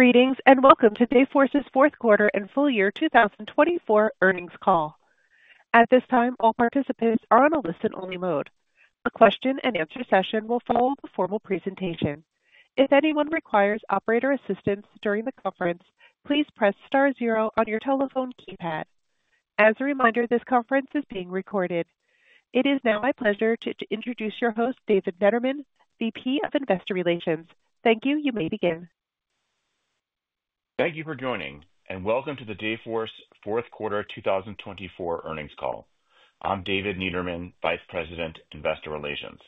Greetings and welcome to Dayforce's fourth quarter and full year 2024 earnings call. At this time, all participants are on a listen-only mode. A question-and-answer session will follow the formal presentation. If anyone requires operator assistance during the conference, please press star zero on your telephone keypad. As a reminder, this conference is being recorded. It is now my pleasure to introduce your host, David Niederman, VP of Investor Relations. Thank you. You may begin. Thank you for joining, and welcome to the Dayforce fourth quarter 2024 earnings call. I'm David Niederman, Vice President, Investor Relations.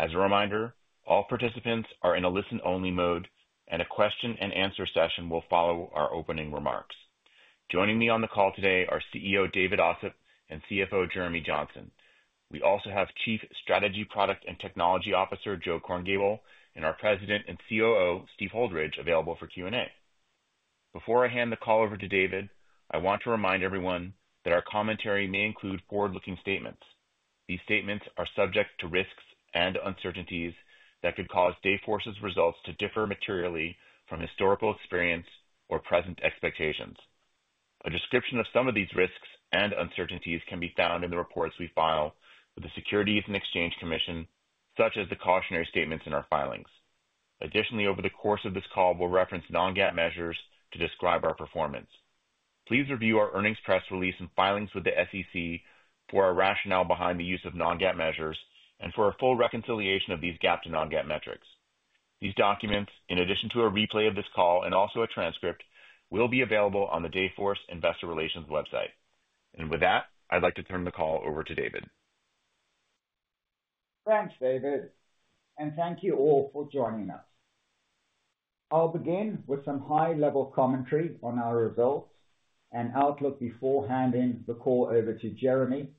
As a reminder, all participants are in a listen-only mode, and a question-and-answer session will follow our opening remarks. Joining me on the call today are CEO David Ossip and CFO Jeremy Johnson. We also have Chief Strategy, Product, and Technology Officer Joe Korngiebel and our President and COO Steve Holdridge available for Q&A. Before I hand the call over to David, I want to remind everyone that our commentary may include forward-looking statements. These statements are subject to risks and uncertainties that could cause Dayforce's results to differ materially from historical experience or present expectations. A description of some of these risks and uncertainties can be found in the reports we file with the Securities and Exchange Commission, such as the cautionary statements in our filings. Additionally, over the course of this call, we'll reference non-GAAP measures to describe our performance. Please review our earnings press release and filings with the SEC for a rationale behind the use of non-GAAP measures and for a full reconciliation of these GAAP to non-GAAP metrics. These documents, in addition to a replay of this call and also a transcript, will be available on the Dayforce Investor Relations website, and with that, I'd like to turn the call over to David. Thanks, David, and thank you all for joining us. I'll begin with some high-level commentary on our results and outlook before handing the call over to Jeremy,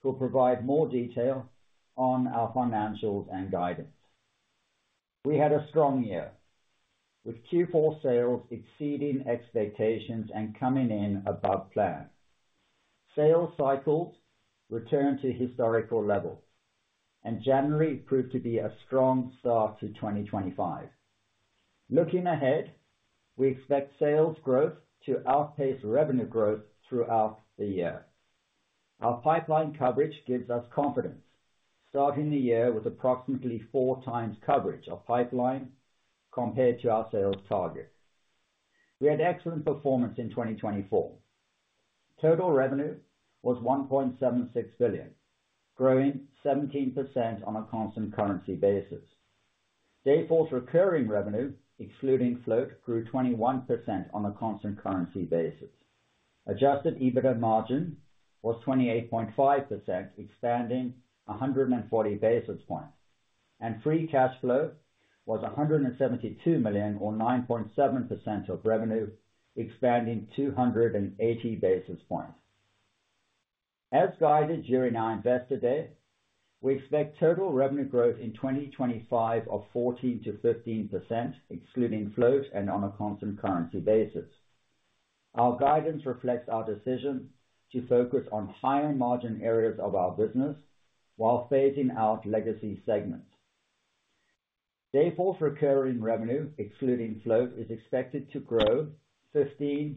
who will provide more detail on our financials and guidance. We had a strong year, with Q4 sales exceeding expectations and coming in above plan. Sales cycles returned to historical levels, and January proved to be a strong start to 2025. Looking ahead, we expect sales growth to outpace revenue growth throughout the year. Our pipeline coverage gives us confidence, starting the year with approximately four times coverage of pipeline compared to our sales target. We had excellent performance in 2024. Total revenue was $1.76 billion, growing 17% on a constant currency basis. Dayforce recurring revenue, excluding float, grew 21% on a constant currency basis. Adjusted EBITDA margin was 28.5%, expanding 140 basis points, and free cash flow was $172 million, or 9.7% of revenue, expanding 280 basis points. As guided during our Investor Day, we expect total revenue growth in 2025 of 14%-15%, excluding float and on a constant currency basis. Our guidance reflects our decision to focus on higher margin areas of our business while phasing out legacy segments. Dayforce recurring revenue, excluding float, is expected to grow 15%-17%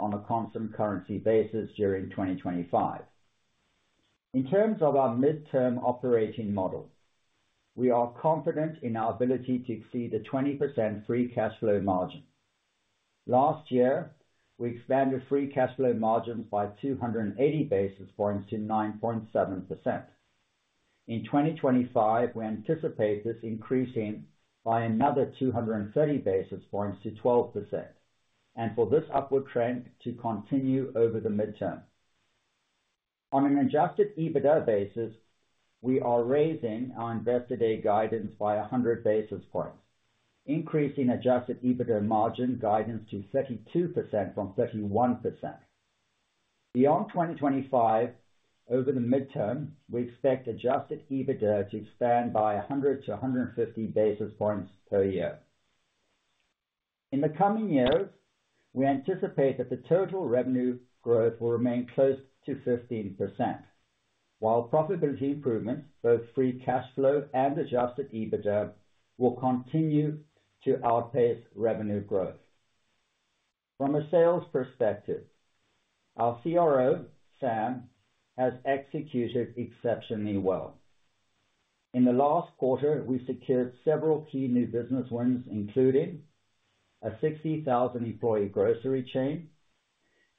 on a constant currency basis during 2025. In terms of our midterm operating model, we are confident in our ability to exceed the 20% free cash flow margin. Last year, we expanded free cash flow margins by 280 basis points to 9.7%. In 2025, we anticipate this increasing by another 230 basis points to 12%, and for this upward trend to continue over the midterm. On an Adjusted EBITDA basis, we are raising our Investor Day guidance by 100 basis points, increasing Adjusted EBITDA margin guidance to 32% from 31%. Beyond 2025, over the midterm, we expect Adjusted EBITDA to expand by 100-150 basis points per year. In the coming years, we anticipate that the total revenue growth will remain close to 15%, while profitability improvements, both Free Cash Flow and Adjusted EBITDA, will continue to outpace revenue growth. From a sales perspective, our CRO, Sam, has executed exceptionally well. In the last quarter, we secured several key new business wins, including a 60,000-employee grocery chain,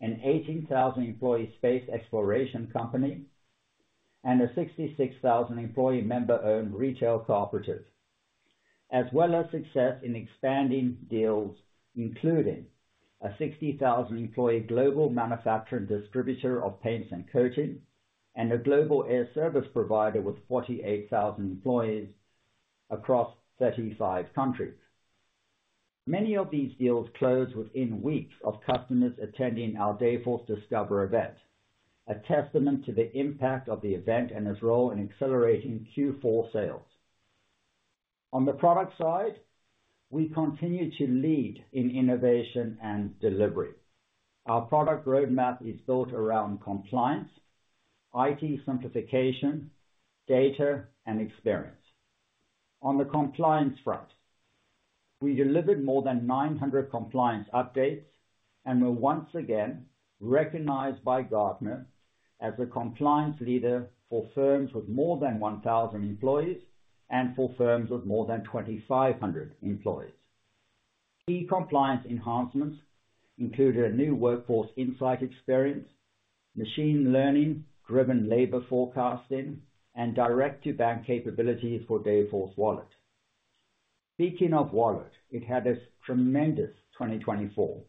an 18,000-employee space exploration company, and a 66,000-employee member-owned retail cooperative, as well as success in expanding deals, including a 60,000-employee global manufacturing distributor of paints and coating and a global air service provider with 48,000 employees across 35 countries. Many of these deals closed within weeks of customers attending our Dayforce Discover event, a testament to the impact of the event and its role in accelerating Q4 sales. On the product side, we continue to lead in innovation and delivery. Our product roadmap is built around compliance, IT simplification, data, and experience. On the compliance front, we delivered more than 900 compliance updates and were once again recognized by Gartner as the compliance leader for firms with more than 1,000 employees and for firms with more than 2,500 employees. Key compliance enhancements included a new Workforce Insights experience, machine learning-driven labor forecasting, and direct-to-bank capabilities for Dayforce Wallet. Speaking of Wallet, it had a tremendous 2024,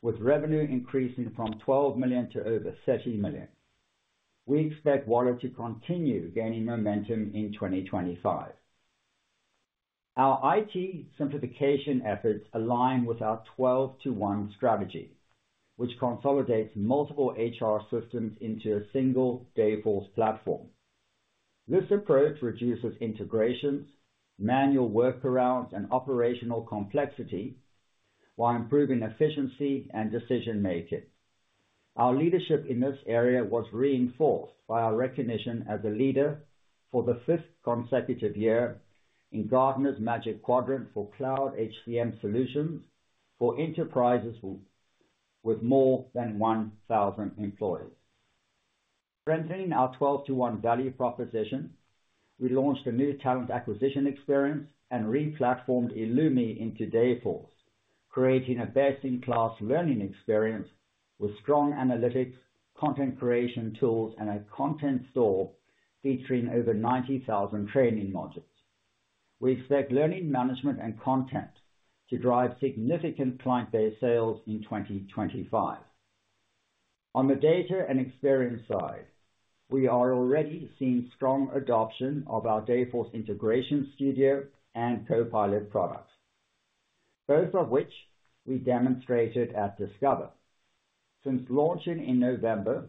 with revenue increasing from $12 million to over $30 million. We expect Wallet to continue gaining momentum in 2025. Our IT simplification efforts align with our 12-to-1 strategy, which consolidates multiple HR systems into a single Dayforce platform. This approach reduces integrations, manual workarounds, and operational complexity while improving efficiency and decision-making. Our leadership in this area was reinforced by our recognition as a leader for the fifth consecutive year in Gartner's Magic Quadrant for Cloud HCM Solutions for enterprises with more than 1,000 employees. Strengthening our 12-to-1 value proposition, we launched a new talent acquisition experience and re-platformed eloomi into Dayforce, creating a best-in-class learning experience with strong analytics, content creation tools, and a content store featuring over 90,000 training modules. We expect learning management and content to drive significant client-base sales in 2025. On the data and experience side, we are already seeing strong adoption of our Dayforce Integration Studio and Copilot products, both of which we demonstrated at Discover. Since launching in November,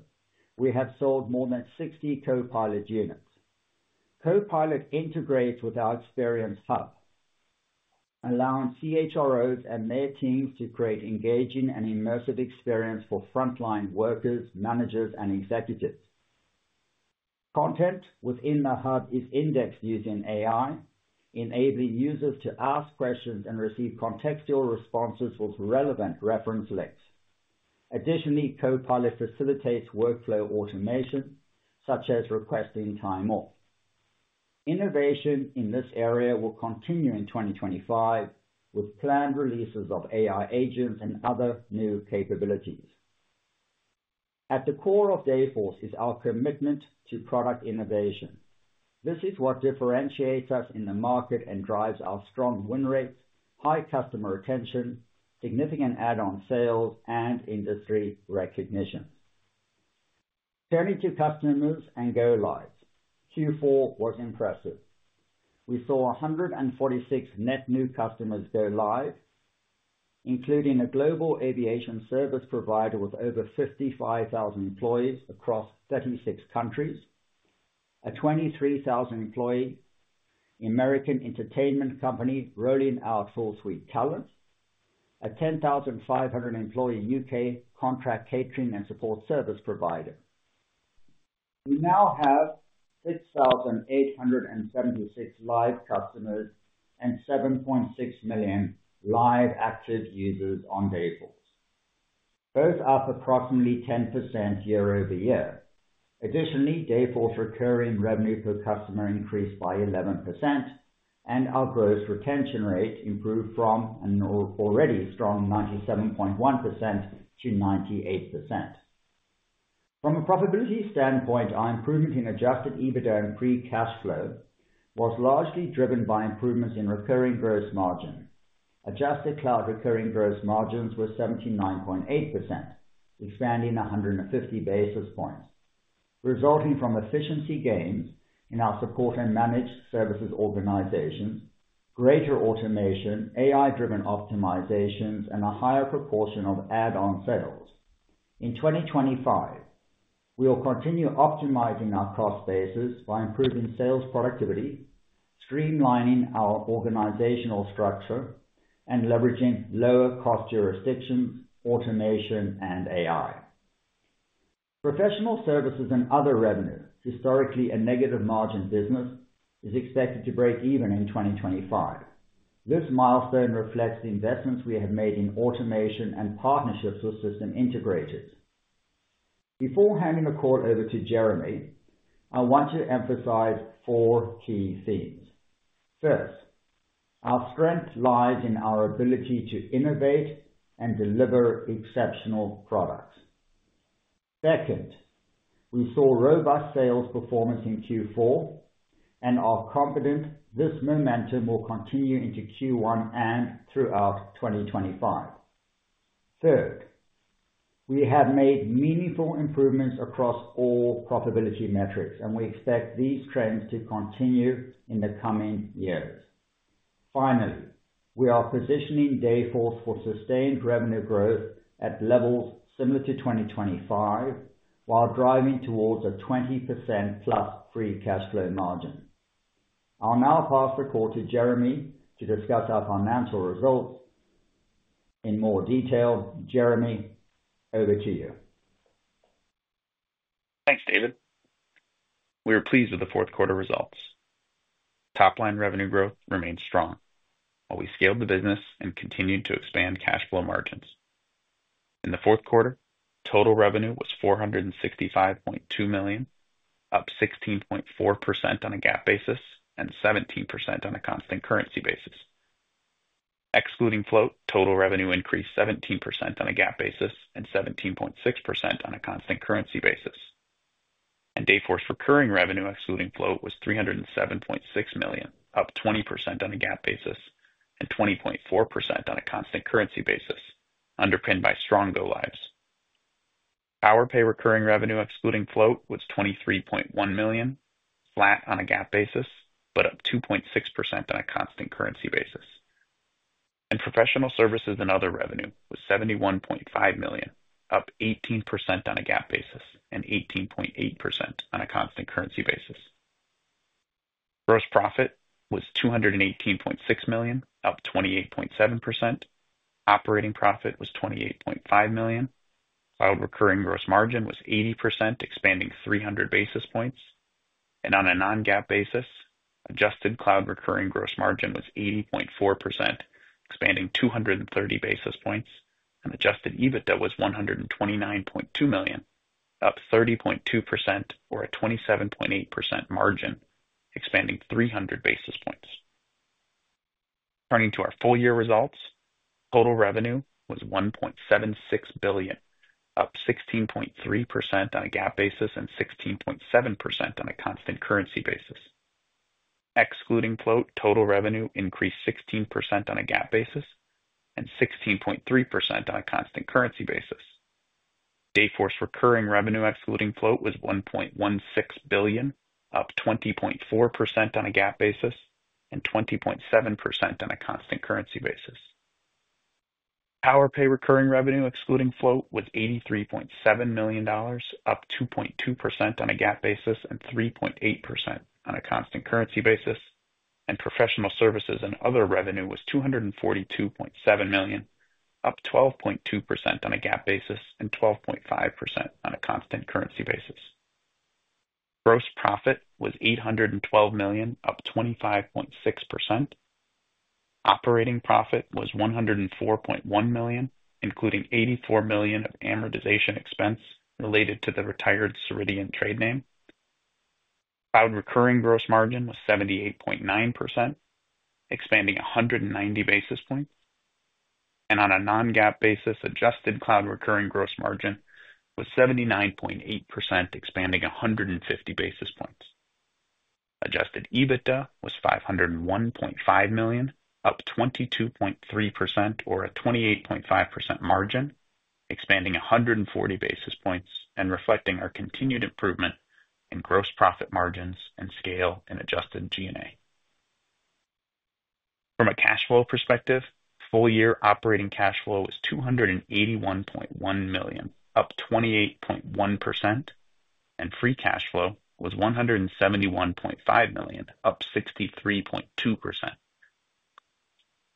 we have sold more than 60 Copilot units. Copilot integrates with our Experience Hub, allowing CHROs and their teams to create engaging and immersive experiences for frontline workers, managers, and executives. Content within the hub is indexed using AI, enabling users to ask questions and receive contextual responses with relevant reference links. Additionally, Copilot facilitates workflow automation, such as requesting time off. Innovation in this area will continue in 2025, with planned releases of AI agents and other new capabilities. At the core of Dayforce is our commitment to product innovation. This is what differentiates us in the market and drives our strong win rate, high customer retention, significant add-on sales, and industry recognition. Turning to customers and go-lives, Q4 was impressive. We saw 146 net new customers go-live, including a global aviation service provider with over 55,000 employees across 36 countries, a 23,000-employee American entertainment company rolling out full-suite talent, and a 10,500-employee U.K. contract catering and support service provider. We now have 6,876 live customers and 7.6 million live active users on Dayforce. Both are for approximately 10% year-over-year. Additionally, Dayforce recurring revenue per customer increased by 11%, and our gross retention rate improved from an already strong 97.1%-98%. From a profitability standpoint, our improvement in Adjusted EBITDA and Free Cash Flow was largely driven by improvements in recurring gross margin. Adjusted cloud recurring gross margins were 79.8%, expanding 150 basis points, resulting from efficiency gains in our support and managed services organizations, greater automation, AI-driven optimizations, and a higher proportion of add-on sales. In 2025, we will continue optimizing our cost basis by improving sales productivity, streamlining our organizational structure, and leveraging lower-cost jurisdictions, automation, and AI. Professional services and other revenue, historically a negative margin business, is expected to break even in 2025. This milestone reflects the investments we have made in automation and partnerships with system integrators. Before handing the call over to Jeremy, I want to emphasize four key themes. First, our strength lies in our ability to innovate and deliver exceptional products. Second, we saw robust sales performance in Q4, and our confidence this momentum will continue into Q1 and throughout 2025. Third, we have made meaningful improvements across all profitability metrics, and we expect these trends to continue in the coming years. Finally, we are positioning Dayforce for sustained revenue growth at levels similar to 2025, while driving towards a 20% plus free cash flow margin. I'll now pass the call to Jeremy to discuss our financial results in more detail. Jeremy, over to you. Thanks, David. We are pleased with the fourth quarter results. Top-line revenue growth remained strong while we scaled the business and continued to expand cash flow margins. In the fourth quarter, total revenue was $465.2 million, up 16.4% on a GAAP basis and 17% on a constant currency basis. Excluding float, total revenue increased 17% on a GAAP basis and 17.6% on a constant currency basis. And Dayforce recurring revenue, excluding float, was $307.6 million, up 20% on a GAAP basis and 20.4% on a constant currency basis, underpinned by strong go-lives. Powerpay recurring revenue, excluding float, was $23.1 million, flat on a GAAP basis, but up 2.6% on a constant currency basis. And professional services and other revenue was $71.5 million, up 18% on a GAAP basis and 18.8% on a constant currency basis. Gross profit was $218.6 million, up 28.7%. Operating profit was $28.5 million. Cloud recurring gross margin was 80%, expanding 300 basis points. On a non-GAAP basis, adjusted cloud recurring gross margin was 80.4%, expanding 230 basis points, and adjusted EBITDA was $129.2 million, up 30.2%, or a 27.8% margin, expanding 300 basis points. Turning to our full-year results, total revenue was $1.76 billion, up 16.3% on a GAAP basis and 16.7% on a constant currency basis. Excluding float, total revenue increased 16% on a GAAP basis and 16.3% on a constant currency basis. Dayforce recurring revenue, excluding float, was $1.16 billion, up 20.4% on a GAAP basis and 20.7% on a constant currency basis. Powerpay recurring revenue, excluding float, was $83.7 million, up 2.2% on a GAAP basis and 3.8% on a constant currency basis. Professional services and other revenue was $242.7 million, up 12.2% on a GAAP basis and 12.5% on a constant currency basis. Gross profit was $812 million, up 25.6%. Operating profit was $104.1 million, including $84 million of amortization expense related to the retired Ceridian trade name. Cloud recurring gross margin was 78.9%, expanding 190 basis points, and on a non-GAAP basis, adjusted cloud recurring gross margin was 79.8%, expanding 150 basis points. Adjusted EBITDA was $501.5 million, up 22.3%, or a 28.5% margin, expanding 140 basis points and reflecting our continued improvement in gross profit margins and scale in adjusted G&A. From a cash flow perspective, full-year operating cash flow was $281.1 million, up 28.1%, and free cash flow was $171.5 million, up 63.2%.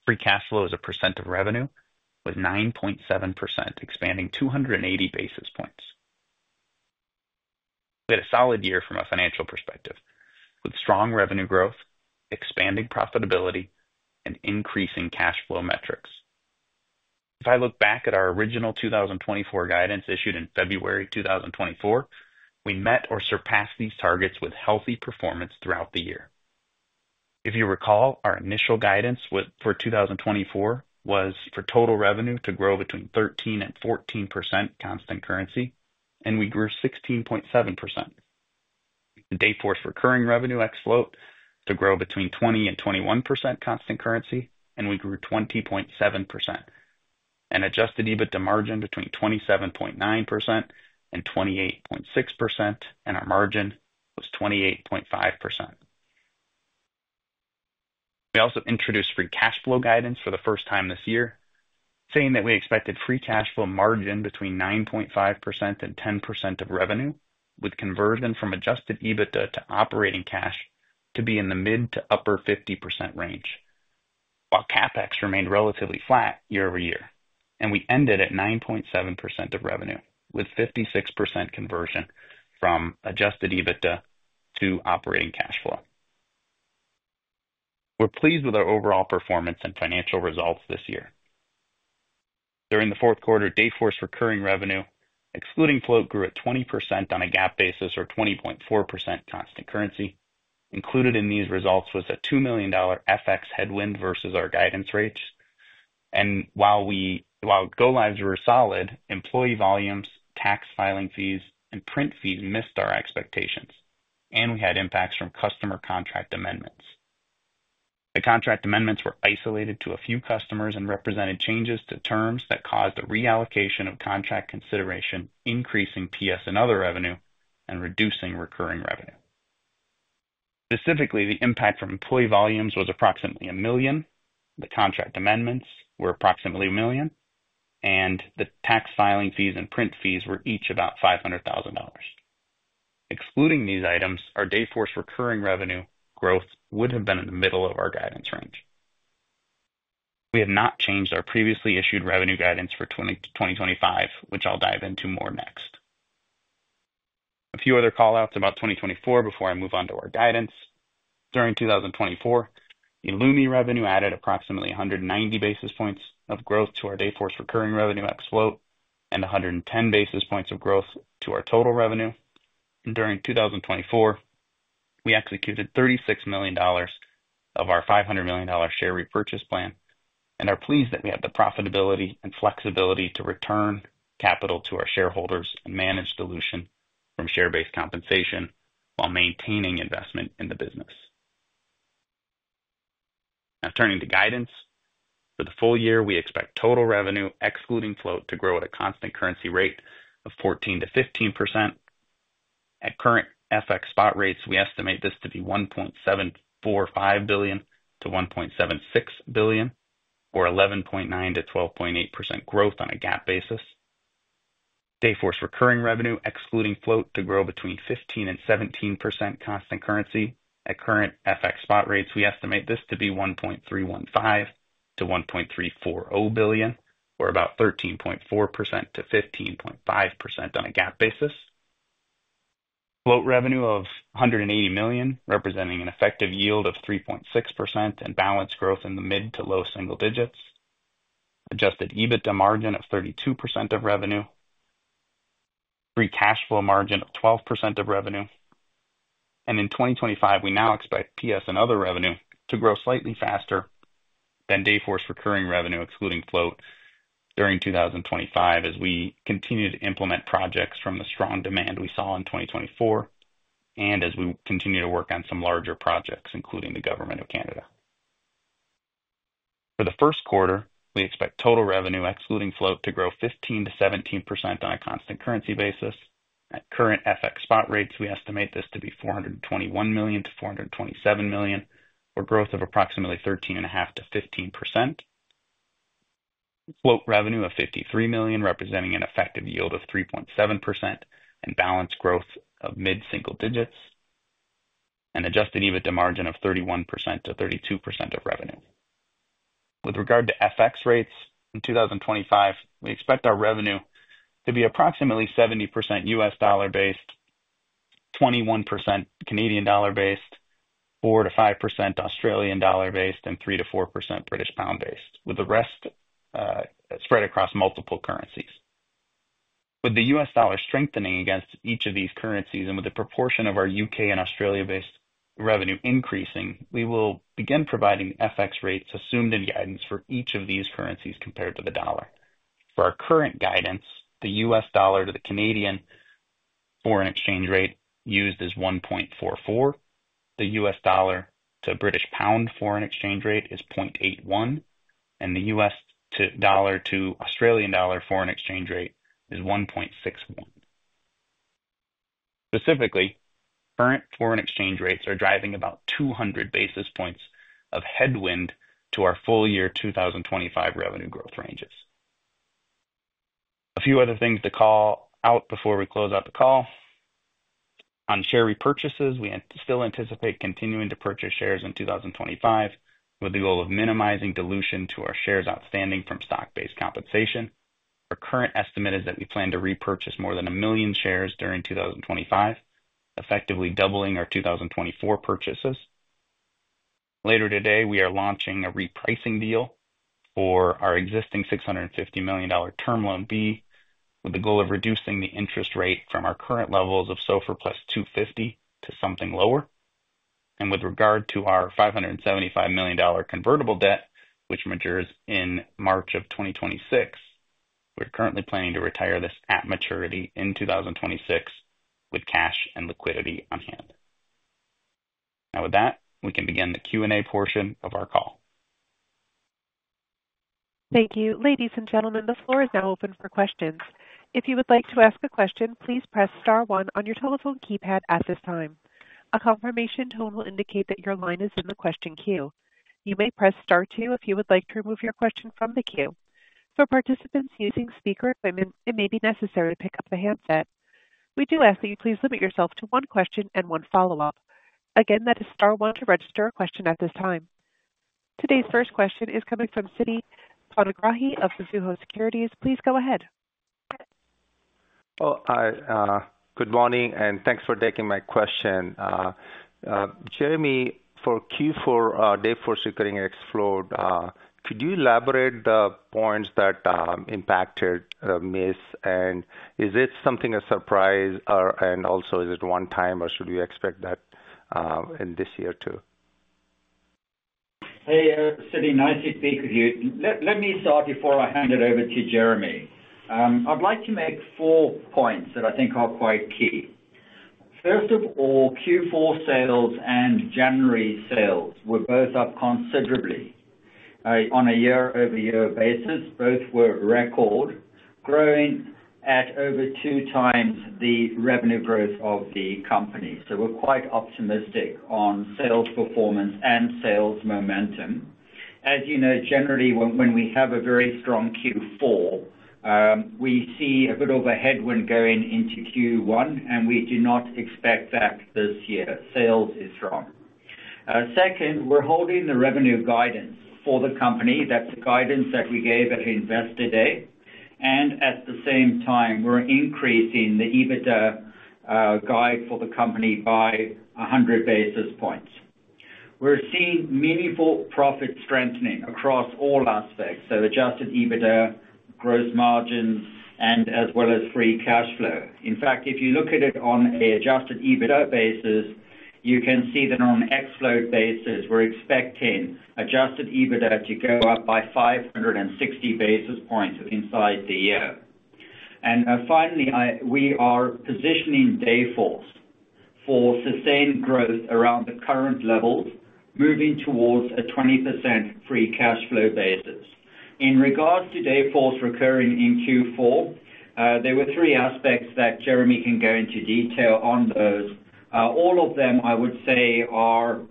Free cash flow as a percent of revenue was 9.7%, expanding 280 basis points. We had a solid year from a financial perspective, with strong revenue growth, expanding profitability, and increasing cash flow metrics. If I look back at our original 2024 guidance issued in February 2024, we met or surpassed these targets with healthy performance throughout the year. If you recall, our initial guidance for 2024 was for total revenue to grow between 13% and 14% constant currency, and we grew 16.7%. Dayforce recurring revenue ex float to grow between 20% and 21% constant currency, and we grew 20.7%. And adjusted EBITDA margin between 27.9% and 28.6%, and our margin was 28.5%. We also introduced free cash flow guidance for the first time this year, saying that we expected free cash flow margin between 9.5%-10% of revenue, with conversion from adjusted EBITDA to operating cash to be in the mid to upper 50% range, while CapEx remained relatively flat year-over-year. And we ended at 9.7% of revenue, with 56% conversion from adjusted EBITDA to operating cash flow. We're pleased with our overall performance and financial results this year. During the fourth quarter, Dayforce recurring revenue, excluding float, grew at 20% on a GAAP basis or 20.4% constant currency. Included in these results was a $2 million FX headwind versus our guidance rates, and while go-lives were solid, employee volumes, tax filing fees, and print fees missed our expectations, and we had impacts from customer contract amendments. The contract amendments were isolated to a few customers and represented changes to terms that caused a reallocation of contract consideration, increasing PS and other revenue, and reducing recurring revenue. Specifically, the impact from employee volumes was approximately $1 million. The contract amendments were approximately $1 million, and the tax filing fees and print fees were each about $500,000. Excluding these items, our Dayforce recurring revenue growth would have been in the middle of our guidance range. We have not changed our previously issued revenue guidance for 2025, which I'll dive into more next. A few other callouts about 2024 before I move on to our guidance. During 2024, eloomi revenue added approximately 190 basis points of growth to our Dayforce recurring revenue ex float and 110 basis points of growth to our total revenue. And during 2024, we executed $36 million of our $500 million share repurchase plan and are pleased that we have the profitability and flexibility to return capital to our shareholders and manage dilution from share-based compensation while maintaining investment in the business. Now, turning to guidance for the full year, we expect total revenue, excluding float, to grow at a constant currency rate of 14%-15%. At current FX spot rates, we estimate this to be $1.745 billion-$1.76 billion, or 11.9%-12.8% growth on a GAAP basis. Dayforce recurring revenue, excluding float, to grow between 15% and 17% constant currency. At current FX spot rates, we estimate this to be $1.315 billion to $1.340 billion, or about 13.4%-15.5% on a GAAP basis. Float revenue of $180 million, representing an effective yield of 3.6% and balance growth in the mid to low single digits. Adjusted EBITDA margin of 32% of revenue. Free cash flow margin of 12% of revenue. And in 2025, we now expect PS and other revenue to grow slightly faster than Dayforce recurring revenue, excluding float, during 2025 as we continue to implement projects from the strong demand we saw in 2024 and as we continue to work on some larger projects, including the Government of Canada. For the first quarter, we expect total revenue, excluding float, to grow 15%-17% on a constant currency basis. At current FX spot rates, we estimate this to be $421 million-$427 million, or growth of approximately 13.5%-15%. Float revenue of $53 million, representing an effective yield of 3.7% and balance growth of mid-single digits, and Adjusted EBITDA margin of 31%-32% of revenue. With regard to FX rates in 2025, we expect our revenue to be approximately 70% U.S. dollar-based, 21% Canadian dollar-based, 4%-5% Australian dollar-based, and 3%-4% British pound-based, with the rest spread across multiple currencies. With the U.S. dollar strengthening against each of these currencies and with the proportion of our U.K. and Australia-based revenue increasing, we will begin providing FX rates assumed in guidance for each of these currencies compared to the dollar. For our current guidance, the U.S. dollar to the Canadian foreign exchange rate used is 1.44. The U.S. dollar to British pound foreign exchange rate is 0.81, and the U.S. dollar to Australian dollar foreign exchange rate is 1.61. Specifically, current foreign exchange rates are driving about 200 basis points of headwind to our full-year 2025 revenue growth ranges. A few other things to call out before we close out the call. On share repurchases, we still anticipate continuing to purchase shares in 2025 with the goal of minimizing dilution to our shares outstanding from stock-based compensation. Our current estimate is that we plan to repurchase more than a million shares during 2025, effectively doubling our 2024 purchases. Later today, we are launching a repricing deal for our existing $650 million Term Loan B, with the goal of reducing the interest rate from our current levels of SOFR plus 250 to something lower. And with regard to our $575 million convertible debt, which matures in March of 2026, we're currently planning to retire this at maturity in 2026 with cash and liquidity on hand. Now, with that, we can begin the Q&A portion of our call. Thank you. Ladies and gentlemen, the floor is now open for questions. If you would like to ask a question, please press star one on your telephone keypad at this time. A confirmation tone will indicate that your line is in the question queue. You may press star two if you would like to remove your question from the queue. For participants using speaker equipment, it may be necessary to pick up the handset. We do ask that you please limit yourself to one question and one follow-up. Again, that is star one to register a question at this time. Today's first question is coming from Siti Panigrahi of Mizuho Securities. Please go ahead. Oh, good morning, and thanks for taking my question. Jeremy, for Q4, Dayforce recurring ex float, could you elaborate the points that impacted miss? And is it something a surprise? And also, is it one time, or should we expect that in this year too? Hey, Siti, nice to speak with you. Let me start before I hand it over to Jeremy. I'd like to make four points that I think are quite key. First of all, Q4 sales and January sales were both up considerably on a year-over-year basis. Both were record, growing at over two times the revenue growth of the company. So we're quite optimistic on sales performance and sales momentum. As you know, generally, when we have a very strong Q4, we see a bit of a headwind going into Q1, and we do not expect that this year. Sales is strong. Second, we're holding the revenue guidance for the company. That's the guidance that we gave at Investor Day. And at the same time, we're increasing the EBITDA guide for the company by 100 basis points. We're seeing meaningful profit strengthening across all aspects, so Adjusted EBITDA, gross margins, and as well as free cash flow. In fact, if you look at it on an Adjusted EBITDA basis, you can see that on an ex float basis, we're expecting Adjusted EBITDA to go up by 560 basis points inside the year. And finally, we are positioning Dayforce for sustained growth around the current levels, moving towards a 20% free cash flow basis. In regards to Dayforce recurring in Q4, there were three aspects that Jeremy can go into detail on those. All of them, I would say, are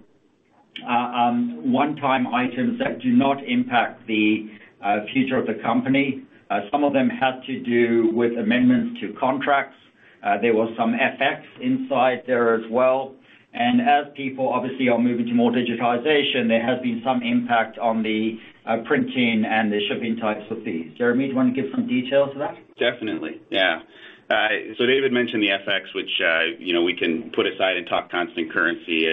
one-time items that do not impact the future of the company. Some of them had to do with amendments to contracts. There was some FX inside there as well. And as people obviously are moving to more digitization, there has been some impact on the printing and the shipping types of fees. Jeremy, do you want to give some details of that? Definitely. Yeah, so David mentioned the FX, which we can put aside and talk constant currency.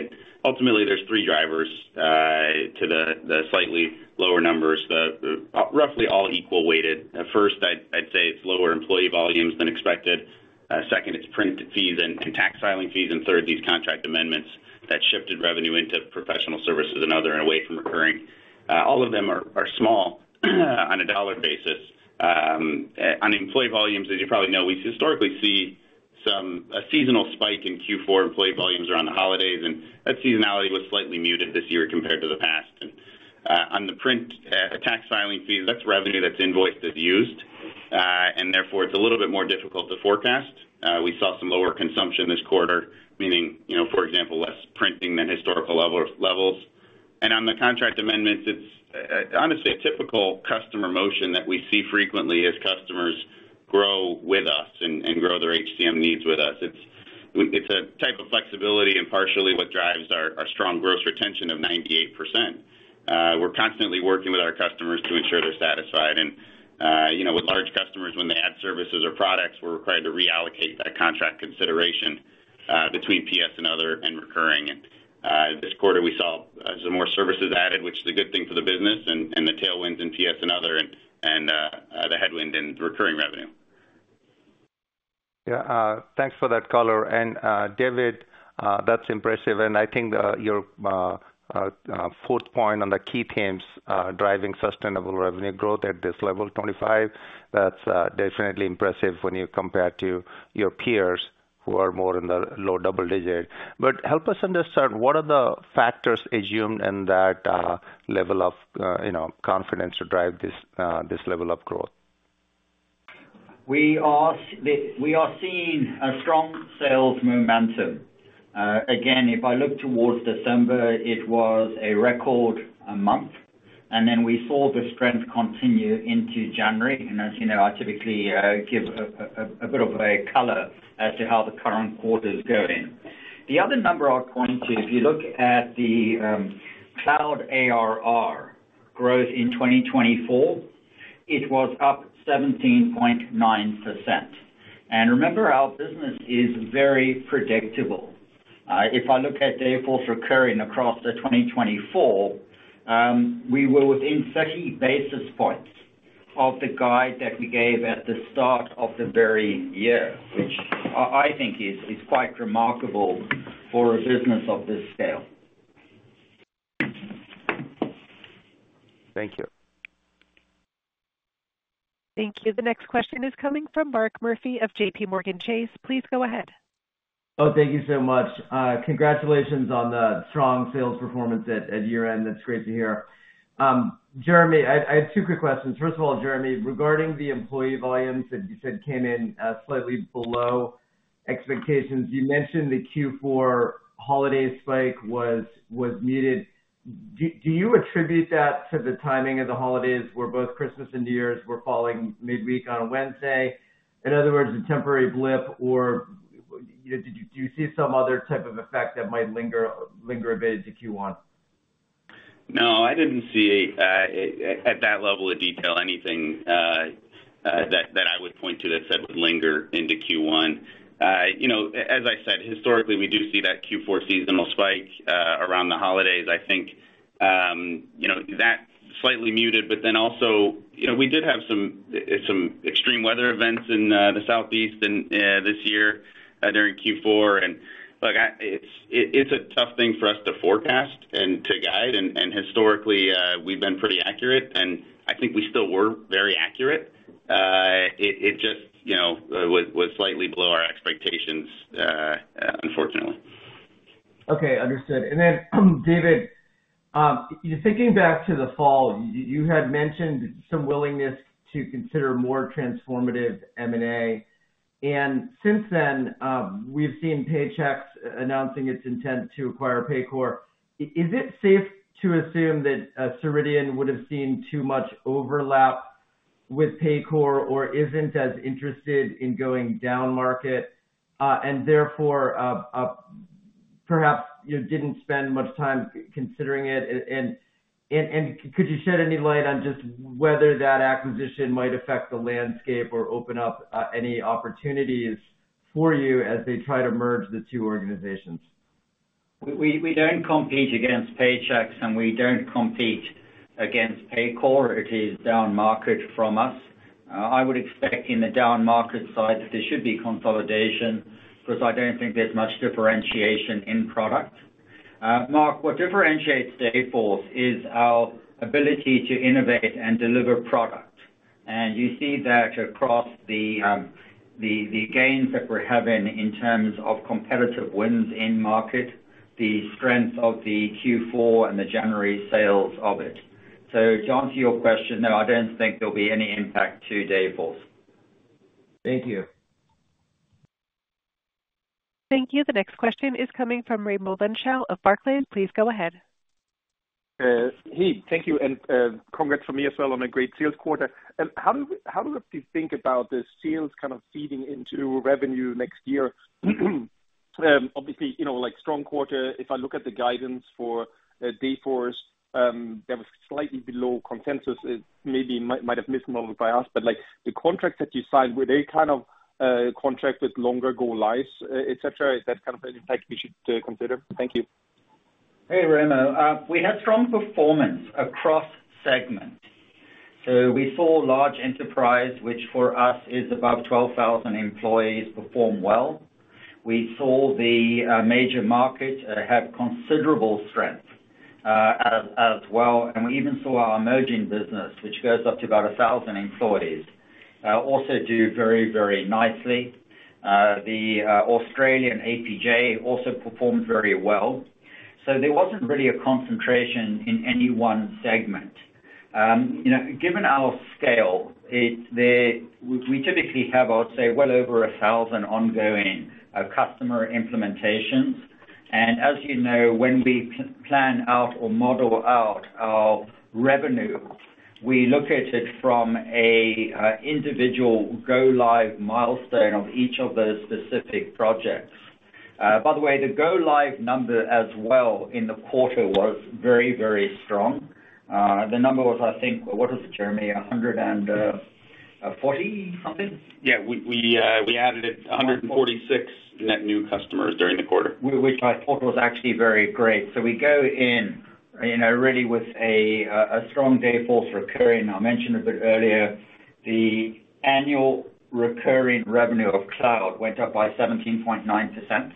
Ultimately, there's three drivers to the slightly lower numbers, roughly all equal weighted. First, I'd say it's lower employee volumes than expected. Second, it's print fees and tax filing fees. And third, these contract amendments that shifted revenue into professional services and other and away from recurring. All of them are small on a dollar basis. On employee volumes, as you probably know, we historically see a seasonal spike in Q4 employee volumes around the holidays. And that seasonality was slightly muted this year compared to the past. And on the print tax filing fees, that's revenue that's invoiced as used. And therefore, it's a little bit more difficult to forecast. We saw some lower consumption this quarter, meaning, for example, less printing than historical levels. And on the contract amendments, it's honestly a typical customer motion that we see frequently as customers grow with us and grow their HCM needs with us. It's a type of flexibility and partially what drives our strong gross retention of 98%. We're constantly working with our customers to ensure they're satisfied. With large customers, when they add services or products, we're required to reallocate that contract consideration between PS and other and recurring. This quarter, we saw some more services added, which is a good thing for the business and the tailwinds in PS and other and the headwind in recurring revenue. Yeah. Thanks for that, color. David, that's impressive. I think your fourth point on the key themes driving sustainable revenue growth at this level, 25, that's definitely impressive when you compare to your peers who are more in the low double digits. Help us understand, what are the factors assumed in that level of confidence to drive this level of growth? We are seeing a strong sales momentum. Again, if I look towards December, it was a record month. We saw the strength continue into January. And as you know, I typically give a bit of a color as to how the current quarter is going. The other number I'll point to, if you look at the cloud ARR growth in 2024, it was up 17.9%. And remember, our business is very predictable. If I look at Dayforce recurring across the 2024, we were within 30 basis points of the guide that we gave at the start of the very year, which I think is quite remarkable for a business of this scale. Thank you. Thank you. The next question is coming from Mark Murphy of JPMorgan Chase. Please go ahead. Oh, thank you so much. Congratulations on the strong sales performance at year-end. That's great to hear. Jeremy, I have two quick questions. First of all, Jeremy, regarding the employee volumes that you said came in slightly below expectations, you mentioned the Q4 holiday spike was muted. Do you attribute that to the timing of the holidays where both Christmas and New Year's were falling midweek on a Wednesday? In other words, a temporary blip, or do you see some other type of effect that might linger a bit into Q1? No, I didn't see at that level of detail anything that I would point to that said would linger into Q1. As I said, historically, we do see that Q4 seasonal spike around the holidays. I think that's slightly muted, but then also we did have some extreme weather events in the Southeast this year during Q4. And it's a tough thing for us to forecast and to guide. And historically, we've been pretty accurate. And I think we still were very accurate. It just was slightly below our expectations, unfortunately. Okay. Understood. And then, David, thinking back to the fall, you had mentioned some willingness to consider more transformative M&A. And since then, we've seen Paychex announcing its intent to acquire Paycor. Is it safe to assume that Dayforce would have seen too much overlap with Paycor, or isn't as interested in going down market and therefore perhaps didn't spend much time considering it? And could you shed any light on just whether that acquisition might affect the landscape or open up any opportunities for you as they try to merge the two organizations? We don't compete against Paychex, and we don't compete against Paycor. It is down market from us. I would expect in the down market side that there should be consolidation because I don't think there's much differentiation in product. Mark, what differentiates Dayforce is our ability to innovate and deliver product, and you see that across the gains that we're having in terms of competitive wins in market, the strength of the Q4 and the January sales of it. So to answer your question, no, I don't think there'll be any impact to Dayforce. Thank you. Thank you. The next question is coming from Raimo Lenschow of Barclays. Please go ahead. Hey, thank you and congrats from me as well on a great sales quarter and how do you think about the sales kind of feeding into revenue next year? Obviously, strong quarter. If I look at the guidance for Dayforce, that was slightly below consensus. It maybe might have mismodeled by us. But the contracts that you signed, were they kind of contract with longer-goal lives, etc.? Is that kind of an impact we should consider? Thank you. Hey, Raimo. We had strong performance across segments. So we saw large enterprise, which for us is about 12,000 employees, perform well. We saw the major market have considerable strength as well. And we even saw our emerging business, which goes up to about 1,000 employees, also do very, very nicely. The Australian APJ also performed very well. So there wasn't really a concentration in any one segment. Given our scale, we typically have, I would say, well over 1,000 ongoing customer implementations. And as you know, when we plan out or model out our revenue, we look at it from an individual go-live milestone of each of those specific projects. By the way, the go-live number as well in the quarter was very, very strong. The number was, I think, what was it, Jeremy? 140 something? Yeah. We added 146 net new customers during the quarter, which I thought was actually very great. So we go in really with a strong Dayforce recurring. I mentioned a bit earlier, the annual recurring revenue of cloud went up by 17.9%.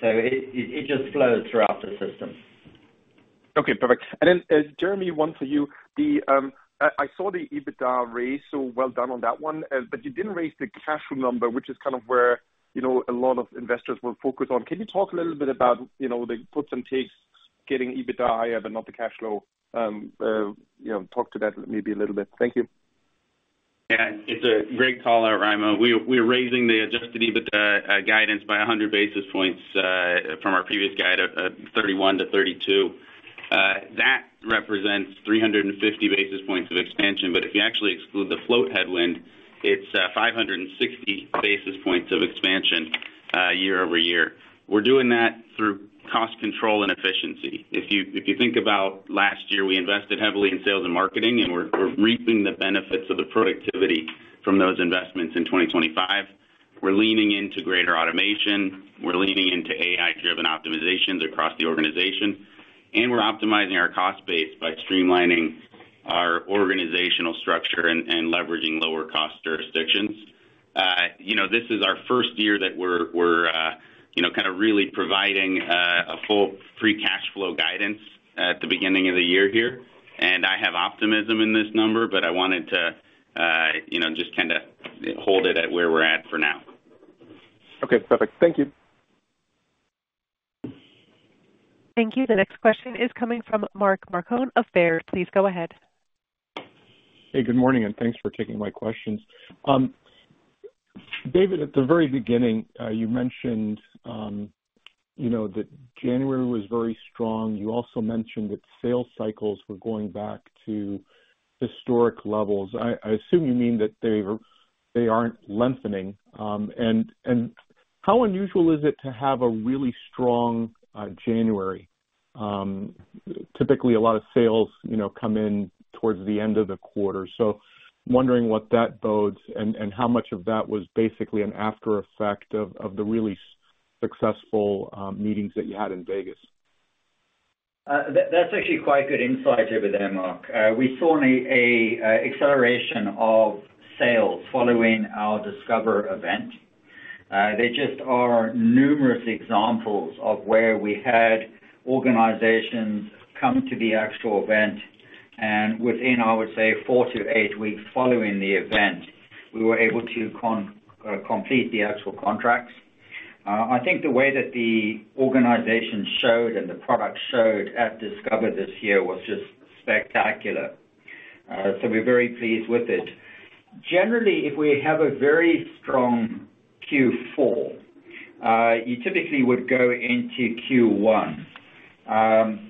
So it just flows throughout the system. Okay. Perfect. And then, Jeremy, one for you. I saw the EBITDA raise. So well done on that one, but you didn't raise the cash flow number, which is kind of where a lot of investors will focus on. Can you talk a little bit about the puts and takes, getting EBITDA higher but not the cash flow? Talk to that maybe a little bit. Thank you. Yeah. It's a great callout, Raimo. We're raising the adjusted EBITDA guidance by 100 basis points from our previous guide of 31%-32%. That represents 350 basis points of expansion. But if you actually exclude the float headwind, it's 560 basis points of expansion year-over-year. We're doing that through cost control and efficiency. If you think about last year, we invested heavily in sales and marketing, and we're reaping the benefits of the productivity from those investments in 2025. We're leaning into greater automation. We're leaning into AI-driven optimizations across the organization. And we're optimizing our cost base by streamlining our organizational structure and leveraging lower-cost jurisdictions. This is our first year that we're kind of really providing a full free cash flow guidance at the beginning of the year here. And I have optimism in this number, but I wanted to just kind of hold it at where we're at for now. Okay. Perfect. Thank you. Thank you. The next question is coming from Mark Marcon, Baird. Please go ahead. Hey, good morning, and thanks for taking my questions. David, at the very beginning, you mentioned that January was very strong. You also mentioned that sales cycles were going back to historic levels. I assume you mean that they aren't lengthening. And how unusual is it to have a really strong January? Typically, a lot of sales come in towards the end of the quarter. So I'm wondering what that bodes and how much of that was basically an aftereffect of the really successful meetings that you had in Vegas. That's actually quite good insight over there, Mark. We saw an acceleration of sales following our Discover event. There just are numerous examples of where we had organizations come to the actual event. And within, I would say, four to eight weeks following the event, we were able to complete the actual contracts. I think the way that the organization showed and the product showed at Discover this year was just spectacular. So we're very pleased with it. Generally, if we have a very strong Q4, you typically would go into Q1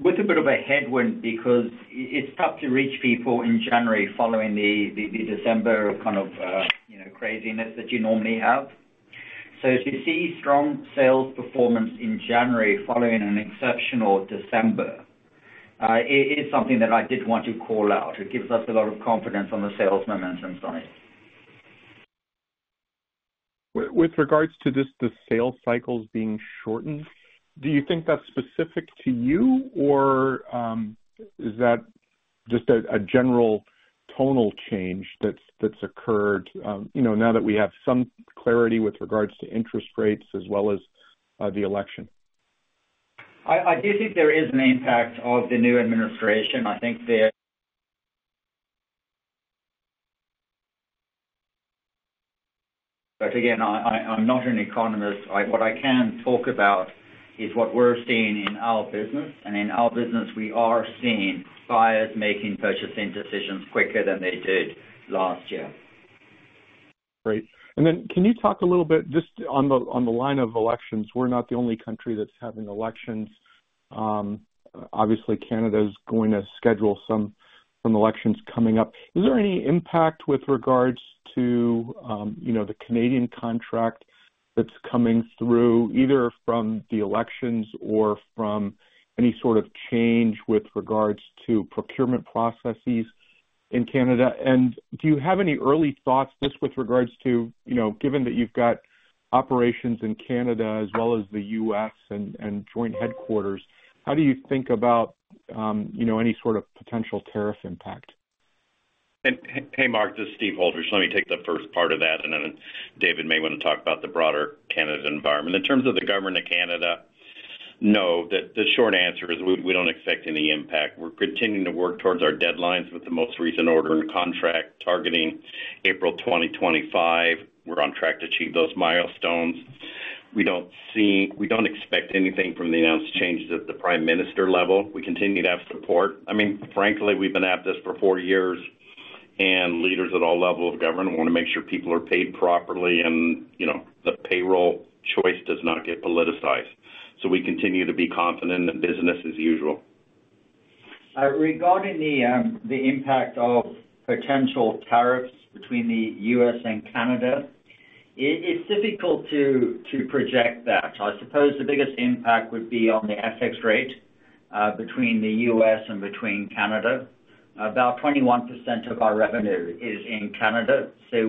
with a bit of a headwind because it's tough to reach people in January following the December kind of craziness that you normally have. So to see strong sales performance in January following an exceptional December is something that I did want to call out. It gives us a lot of confidence on the sales momentum side. With regards to just the sales cycles being shortened, do you think that's specific to you, or is that just a general tonal change that's occurred now that we have some clarity with regards to interest rates as well as the election? I do think there is an impact of the new administration. I think that, again, I'm not an economist. What I can talk about is what we're seeing in our business. In our business, we are seeing buyers making purchasing decisions quicker than they did last year. Great. Then can you talk a little bit just on the line of elections? We're not the only country that's having elections. Obviously, Canada is going to schedule some elections coming up. Is there any impact with regards to the Canadian contract that's coming through either from the elections or from any sort of change with regards to procurement processes in Canada? Do you have any early thoughts just with regards to, given that you've got operations in Canada as well as the U.S. and joint headquarters, how do you think about any sort of potential tariff impact? Hey, Mark. This is Steve Holdridge. Let me take the first part of that, and then David may want to talk about the broader Canada environment. In terms of the Government of Canada, no, the short answer is we don't expect any impact. We're continuing to work towards our deadlines with the most recent order and contract targeting April 2025. We're on track to achieve those milestones. We don't expect anything from the announced changes at the Prime Minister level. We continue to have support. I mean, frankly, we've been at this for four years, and leaders at all levels of government want to make sure people are paid properly and the payroll choice does not get politicized. So we continue to be confident in the business as usual. Regarding the impact of potential tariffs between the U.S. and Canada, it's difficult to project that. I suppose the biggest impact would be on the FX rate between the US and Canada. About 21% of our revenue is in Canada. So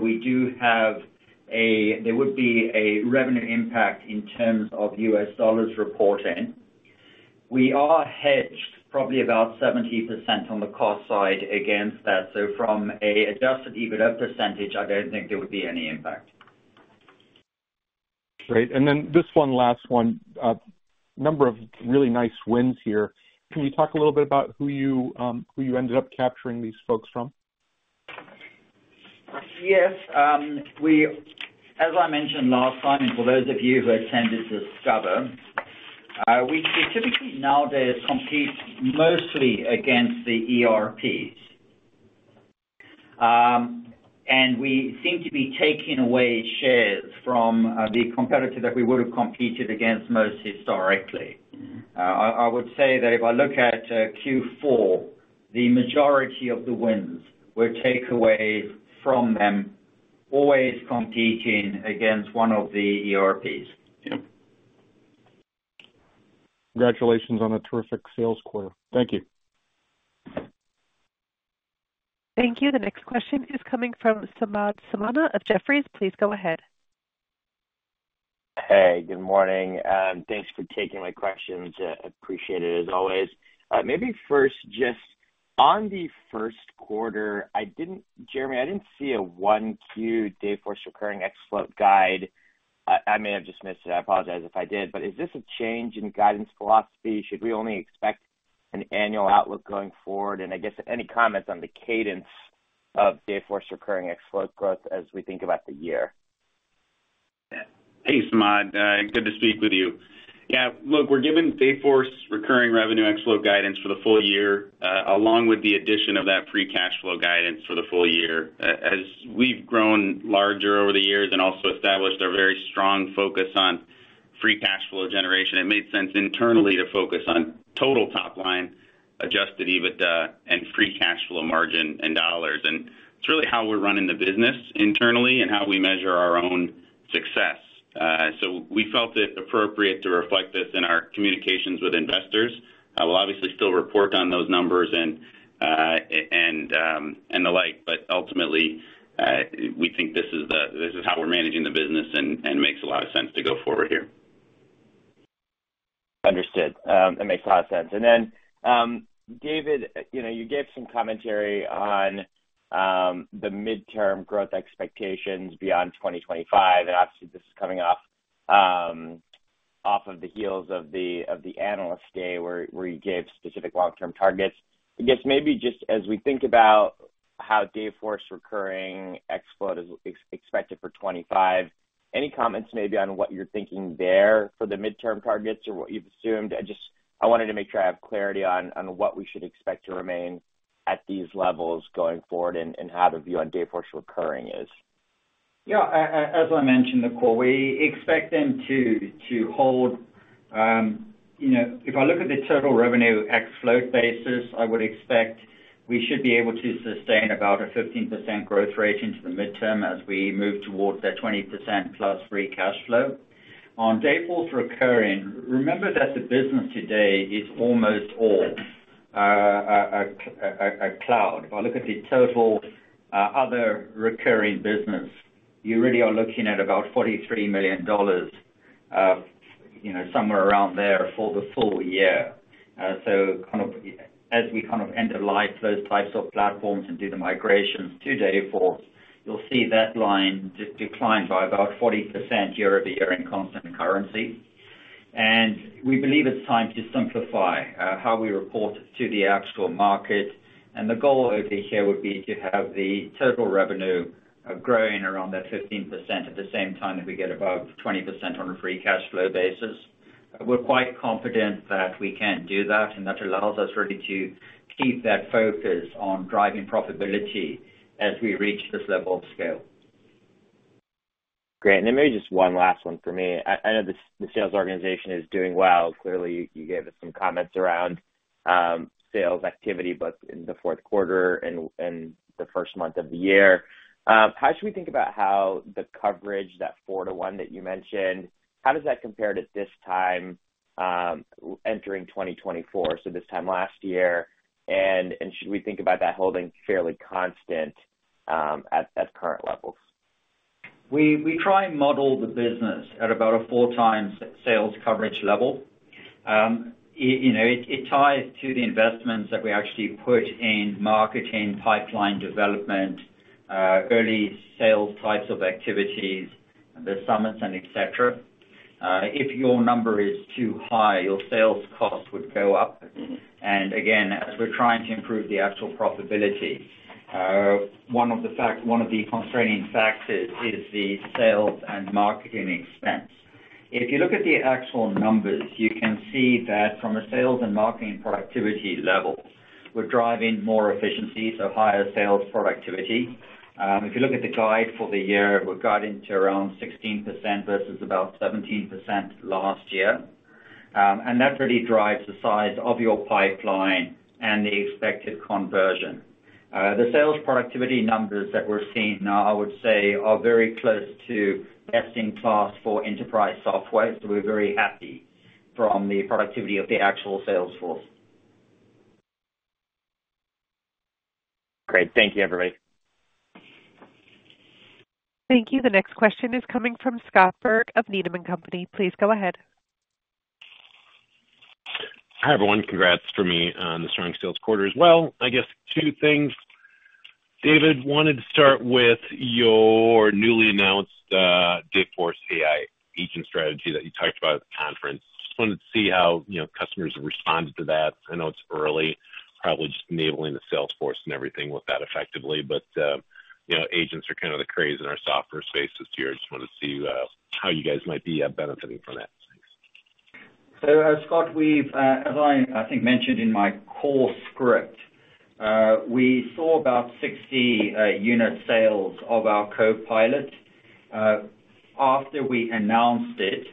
there would be a revenue impact in terms of US dollars reporting. We are hedged probably about 70% on the cost side against that. So from an Adjusted EBITDA percentage, I don't think there would be any impact. Great, and then this one last one, number of really nice wins here. Can you talk a little bit about who you ended up capturing these folks from? Yes. As I mentioned last time, for those of you who attended Discover, we typically nowadays compete mostly against the ERPs. And we seem to be taking away shares from the competitor that we would have competed against most historically. I would say that if I look at Q4, the majority of the wins were takeaways from them always competing against one of the ERPs. Yep. Congratulations on a terrific sales quarter. Thank you. Thank you. The next question is coming from Samad Samana of Jefferies. Please go ahead. Hey, good morning. Thanks for taking my questions. Appreciate it as always. Maybe first, just on the first quarter, Jeremy, I didn't see a 1Q Dayforce Recurring Revenue Guide. I may have dismissed it. I apologize if I did. But is this a change in guidance philosophy? Should we only expect an annual outlook going forward? And I guess any comments on the cadence of Dayforce Recurring Revenue growth as we think about the year? Hey, Samad. Good to speak with you. Yeah. Look, we're given Dayforce recurring revenue outlook guidance for the full year along with the addition of that free cash flow guidance for the full year. As we've grown larger over the years and also established our very strong focus on free cash flow generation, it made sense internally to focus on total top line, Adjusted EBITDA, and free cash flow margin in dollars, and it's really how we're running the business internally and how we measure our own success, so we felt it appropriate to reflect this in our communications with investors. We'll obviously still report on those numbers and the like, but ultimately, we think this is how we're managing the business and makes a lot of sense to go forward here. Understood. That makes a lot of sense, and then, David, you gave some commentary on the mid-term growth expectations beyond 2025. Obviously, this is coming off of the heels of the Analyst Day where you gave specific long-term targets. I guess maybe just as we think about how Dayforce recurring revenue is expected for 2025, any comments maybe on what you're thinking there for the midterm targets or what you've assumed? I wanted to make sure I have clarity on what we should expect to remain at these levels going forward and how the view on Dayforce recurring revenue is. Yeah. As I mentioned, in the call, we expect them to hold. If I look at the total revenue ex float basis, I would expect we should be able to sustain about a 15% growth rate into the midterm as we move towards that 20% plus free cash flow. On Dayforce recurring revenue, remember that the business today is almost all cloud. If I look at the total other recurring business, you really are looking at about $43 million somewhere around there for the full year. So kind of as we kind of end of life those types of platforms and do the migrations to Dayforce, you'll see that line decline by about 40% year-over-year in constant currency. And we believe it's time to simplify how we report to the actual market. And the goal over here would be to have the total revenue growing around that 15% at the same time that we get above 20% on a free cash flow basis. We're quite confident that we can do that, and that allows us really to keep that focus on driving profitability as we reach this level of scale. Great. And then maybe just one last one for me. I know the sales organization is doing well. Clearly, you gave us some comments around sales activity, both in the fourth quarter and the first month of the year. How should we think about how the coverage, that four to one that you mentioned, how does that compare to this time entering 2024, so this time last year? And should we think about that holding fairly constant at current levels? We try and model the business at about a four-time sales coverage level. It ties to the investments that we actually put in marketing, pipeline development, early sales types of activities, the summits, and etc. If your number is too high, your sales cost would go up. And again, as we're trying to improve the actual profitability, one of the constraining factors is the sales and marketing expense. If you look at the actual numbers, you can see that from a sales and marketing productivity level, we're driving more efficiencies, so higher sales productivity. If you look at the guide for the year, we're guiding to around 16% versus about 17% last year. And that really drives the size of your pipeline and the expected conversion. The sales productivity numbers that we're seeing now, I would say, are very close to best-in-class for enterprise software. So we're very happy from the productivity of the actual sales force. Great. Thank you, everybody. Thank you. The next question is coming from Scott Berg of Needham & Company. Please go ahead. Hi, everyone. Congrats for me on the strong sales quarter as well. I guess two things. David, wanted to start with your newly announced Dayforce AI agent strategy that you talked about at the conference. Just wanted to see how customers responded to that. I know it's early, probably just enabling the sales force and everything with that effectively. But agents are kind of the craze in our software space this year. Just wanted to see how you guys might be benefiting from that. Thanks. So as Scott, as I think mentioned in my core script, we saw about 60 unit sales of our Co-Pilot after we announced it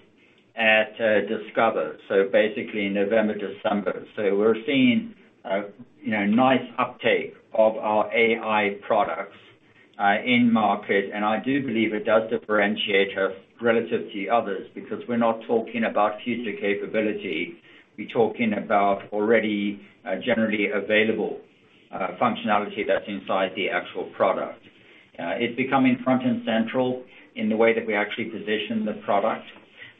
at Discover, so basically November, December. So we're seeing a nice uptake of our AI products in market. And I do believe it does differentiate us relative to others because we're not talking about future capability. We're talking about already generally available functionality that's inside the actual product. It's becoming front and center in the way that we actually position the product.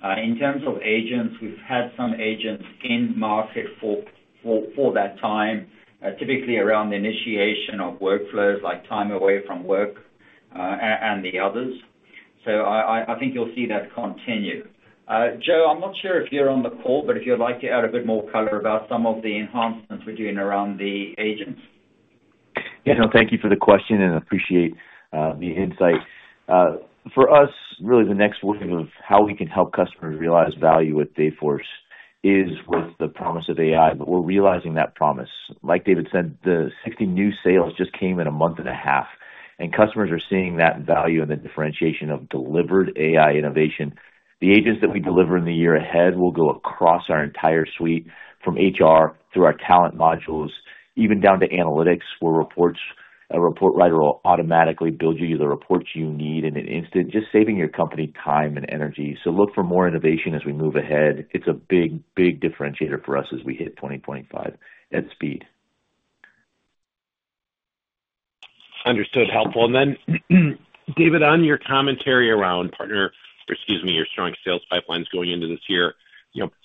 In terms of agents, we've had some agents in market for that time, typically around the initiation of workflows like time away from work and the others. So I think you'll see that continue. Joe, I'm not sure if you're on the call, but if you'd like to add a bit more color about some of the enhancements we're doing around the agents. Yeah. No, thank you for the question, and I appreciate the insight. For us, really, the next wave of how we can help customers realize value with Dayforce is with the promise of AI, but we're realizing that promise. Like David said, the 60 new sales just came in a month and a half, and customers are seeing that value in the differentiation of delivered AI innovation. The agents that we deliver in the year ahead will go across our entire suite from HR through our talent modules, even down to analytics where a report writer will automatically build you the reports you need in an instant, just saving your company time and energy. So look for more innovation as we move ahead. It's a big, big differentiator for us as we hit 2025 at speed. Understood. Helpful. And then, David, on your commentary around partner, excuse me, your strong sales pipelines going into this year,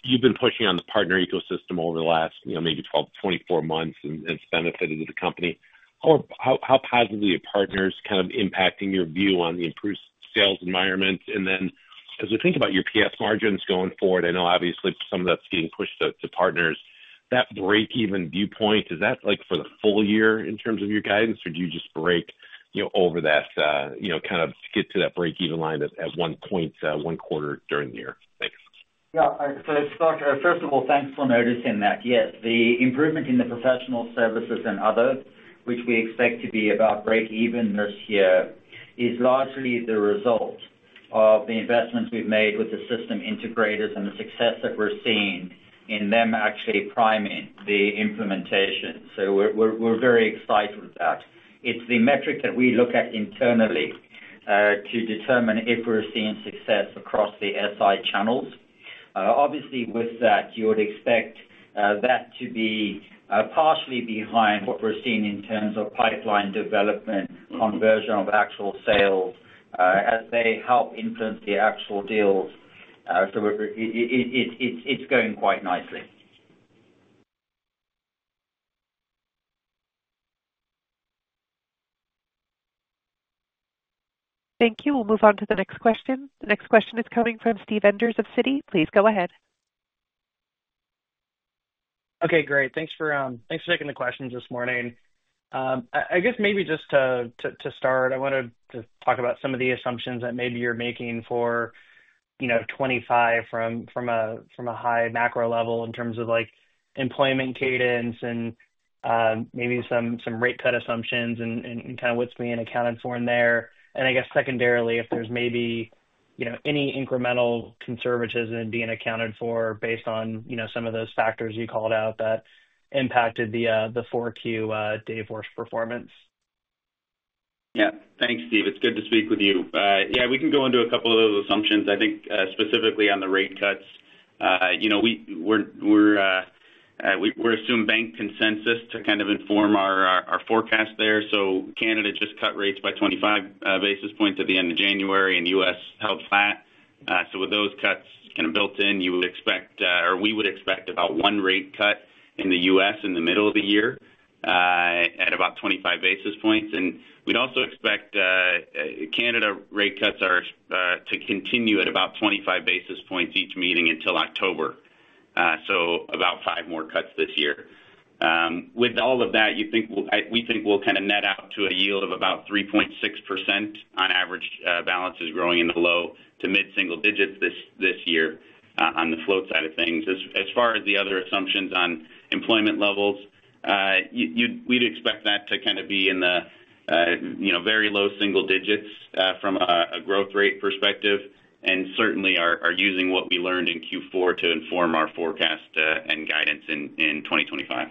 you've been pushing on the partner ecosystem over the last maybe 12 to 24 months, and it's benefited the company. How positively are partners kind of impacting your view on the improved sales environment? And then as we think about your PS margins going forward, I know obviously some of that's being pushed to partners. That break-even viewpoint, is that for the full year in terms of your guidance, or do you just break over that kind of get to that break-even line at one point, one quarter during the year? Thanks. Yeah. So first of all, thanks for noticing that. Yes, the improvement in the professional services and others, which we expect to be about break-even this year, is largely the result of the investments we've made with the system integrators and the success that we're seeing in them actually priming the implementation. So we're very excited with that. It's the metric that we look at internally to determine if we're seeing success across the SI channels. Obviously, with that, you would expect that to be partially behind what we're seeing in terms of pipeline development, conversion of actual sales as they help influence the actual deals. So it's going quite nicely. Thank you. We'll move on to the next question. The next question is coming from Steven Enders of Citi. Please go ahead. Okay. Great. Thanks for taking the questions this morning. I guess maybe just to start, I wanted to talk about some of the assumptions that maybe you're making for 2025 from a high macro level in terms of employment cadence and maybe some rate cut assumptions and kind of what's being accounted for in there. And I guess secondarily, if there's maybe any incremental conservatism being accounted for based on some of those factors you called out that impacted the 4Q Dayforce performance. Yeah. Thanks, Steve. It's good to speak with you. Yeah. We can go into a couple of those assumptions. I think specifically on the rate cuts, we're assuming bank consensus to kind of inform our forecast there. Canada just cut rates by 25 basis points at the end of January, and the U.S. held flat. With those cuts kind of built in, you would expect or we would expect about one rate cut in the U.S. in the middle of the year at about 25 basis points. And we'd also expect Canada rate cuts to continue at about 25 basis points each meeting until October, so about five more cuts this year. With all of that, we think we'll kind of net out to a yield of about 3.6% on average balances growing in the low to mid-single digits this year on the float side of things. As far as the other assumptions on employment levels, we'd expect that to kind of be in the very low single digits from a growth rate perspective and certainly are using what we learned in Q4 to inform our forecast and guidance in 2025.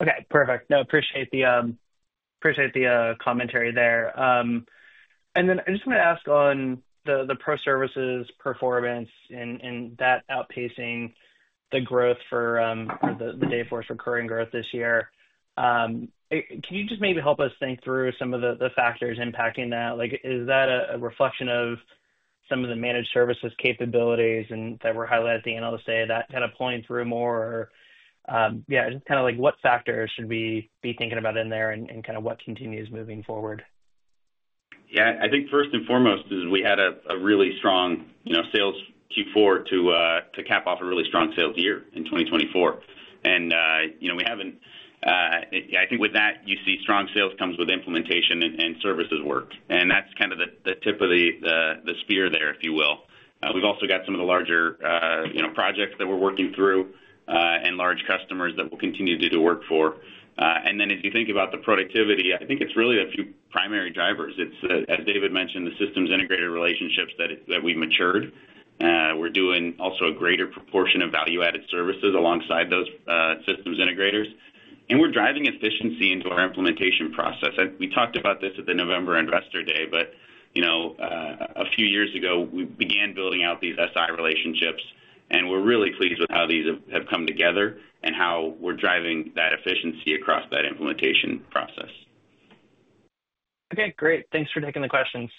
Okay. Perfect. No, appreciate the commentary there. And then I just want to ask on the pro services performance and that outpacing the growth for the Dayforce recurring growth this year. Can you just maybe help us think through some of the factors impacting that? Is that a reflection of some of the managed services capabilities that were highlighted at the analyst day that kind of playing through more? Or yeah, just kind of what factors should we be thinking about in there and kind of what continues moving forward? Yeah. I think first and foremost is we had a really strong sales Q4 to cap off a really strong sales year in 2024. And we haven't, I think with that, you see strong sales comes with implementation and services work. And that's kind of the tip of the spear there, if you will. We've also got some of the larger projects that we're working through and large customers that we'll continue to do work for. And then if you think about the productivity, I think it's really a few primary drivers. It's, as David mentioned, the systems integrator relationships that we've matured. We're doing also a greater proportion of value-added services alongside those systems integrators. And we're driving efficiency into our implementation process. We talked about this at the November investor day, but a few years ago, we began building out these SI relationships, and we're really pleased with how these have come together and how we're driving that efficiency across that implementation process. Okay. Great. Thanks for taking the questions.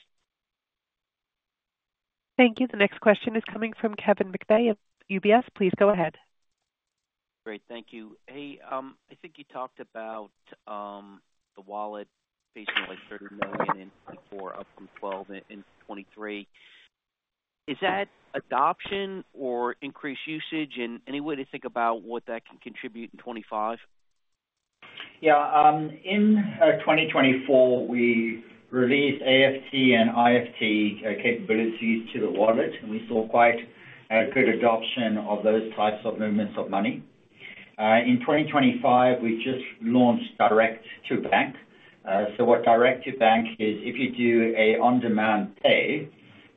Thank you. The next question is coming from Kevin McVeigh at UBS. Please go ahead. Great. Thank you. Hey, I think you talked about the wallet based on like $30 million in 2024, up from $12 million in 2023. Is that adoption or increased usage in any way to think about what that can contribute in 2025? Yeah. In 2024, we released AFT and IFT capabilities to the wallet, and we saw quite good adoption of those types of movements of money. In 2025, we just launched Direct to Bank. So, what Direct to Bank is, if you do an on-demand pay,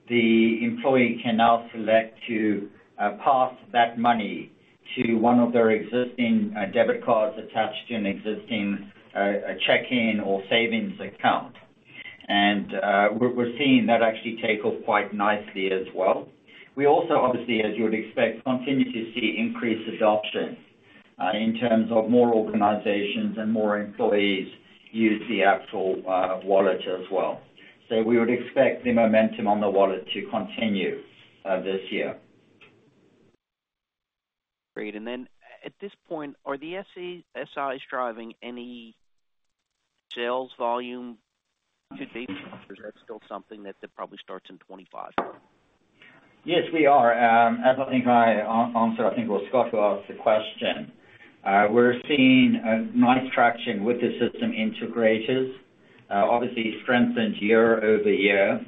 the employee can now select to pass that money to one of their existing debit cards attached to an existing checking or savings account. And we're seeing that actually take off quite nicely as well. We also, obviously, as you would expect, continue to see increased adoption in terms of more organizations and more employees use the actual wallet as well, so we would expect the momentum on the wallet to continue this year. Great, and then at this point, are the SIs driving any sales volume to Dayforce? Is that still something that probably starts in 2025? Yes, we are. As I think I answered, I think it was Scott who asked the question. We're seeing a nice traction with the system integrators, obviously strengthened year-over-year.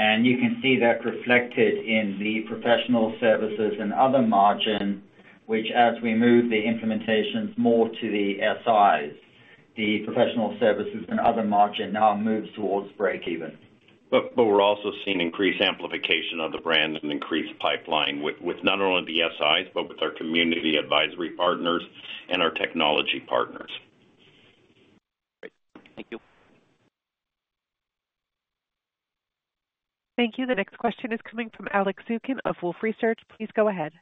And you can see that reflected in the professional services and other margin, which as we move the implementations more to the SIs, the professional services and other margin now moves towards break-even. But we're also seeing increased amplification of the brand and increased pipeline with not only the SIs, but with our community advisory partners and our technology partners. Great. Thank you. Thank you. The next question is coming from Alex Zukin of Wolfe Research. Please go ahead.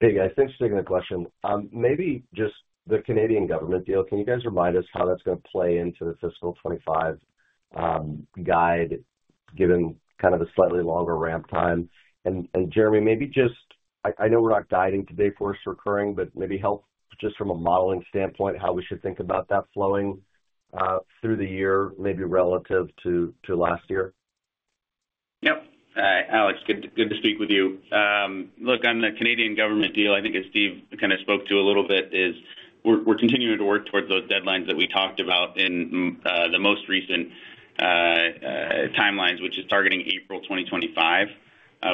Hey, guys, thanks for taking the question. Maybe just the Canadian government deal, can you guys remind us how that's going to play into the fiscal 2025 guide given kind of a slightly longer ramp time? And Jeremy, maybe just I know we're not guiding to Dayforce recurring, but maybe help just from a modeling standpoint how we should think about that flowing through the year maybe relative to last year. Yep. Alex, good to speak with you. Look, on the Canadian government deal, I think as Steve kind of spoke to a little bit, we're continuing to work towards those deadlines that we talked about in the most recent timelines, which is targeting April 2025.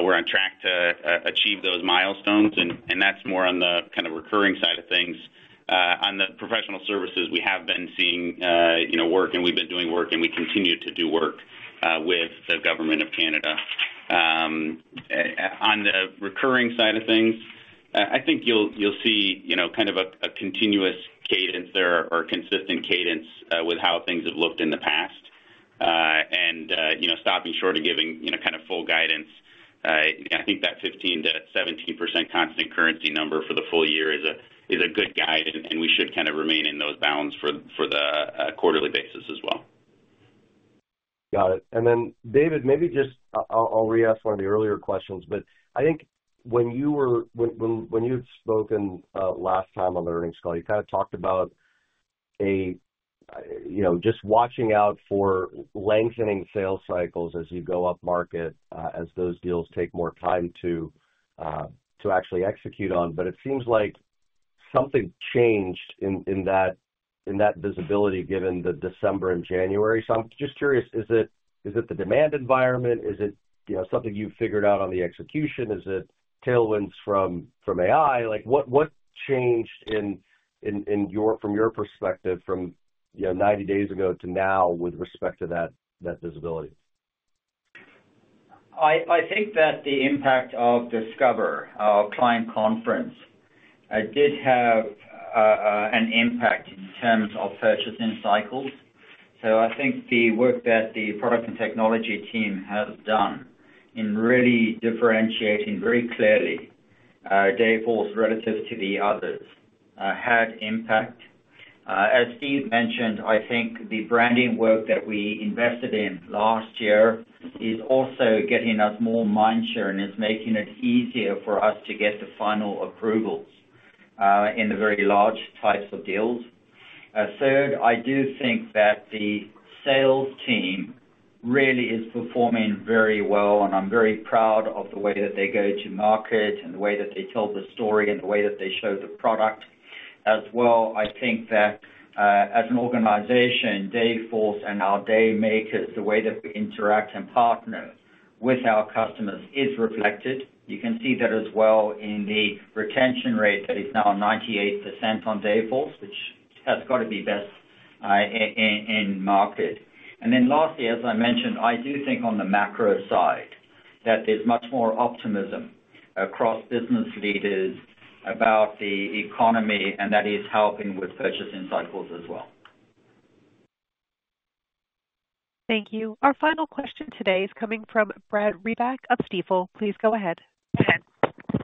We're on track to achieve those milestones, and that's more on the kind of recurring side of things. On the professional services, we have been seeing work, and we've been doing work, and we continue to do work with the government of Canada. On the recurring side of things, I think you'll see kind of a continuous cadence or consistent cadence with how things have looked in the past. Stopping short of giving kind of full guidance, I think that 15%-17% constant currency number for the full year is a good guide, and we should kind of remain in those bounds for the quarterly basis as well. Got it. David, maybe just I'll re-ask one of the earlier questions, but I think when you had spoken last time on the earnings call, you kind of talked about just watching out for lengthening sales cycles as you go up market as those deals take more time to actually execute on. It seems like something changed in that visibility given the December and January. I'm just curious, is it the demand environment? Is it something you've figured out on the execution? Is it tailwinds from AI? What changed from your perspective from 90 days ago to now with respect to that visibility? I think that the impact of Discover, our client conference, did have an impact in terms of purchasing cycles. So I think the work that the product and technology team has done in really differentiating very clearly Dayforce relative to the others had impact. As Steve mentioned, I think the branding work that we invested in last year is also getting us more mindshare and is making it easier for us to get the final approvals in the very large types of deals. Third, I do think that the sales team really is performing very well, and I'm very proud of the way that they go to market and the way that they tell the story and the way that they show the product. As well, I think that as an organization, Dayforce and our Daymakers, the way that we interact and partner with our customers is reflected. You can see that as well in the retention rate that is now 98% on Dayforce, which has got to be best in market. And then lastly, as I mentioned, I do think on the macro side that there's much more optimism across business leaders about the economy, and that is helping with purchasing cycles as well. Thank you. Our final question today is coming from Brad Reback of Stifel. Please go ahead. Go ahead.